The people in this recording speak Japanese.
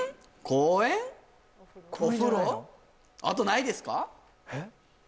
あとないですか？